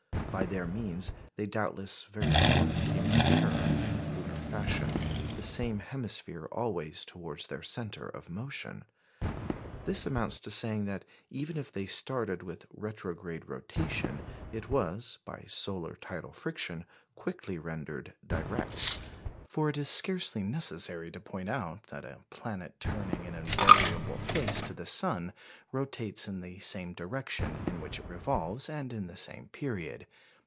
By their means they doubtless very soon came to turn (in lunar fashion) the same hemisphere always towards their centre of motion. This amounts to saying that even if they started with retrograde rotation, it was, by solar tidal friction, quickly rendered direct. For it is scarcely necessary to point out that a planet turning an invariable face to the sun rotates in the same direction in which it revolves, and in the same period.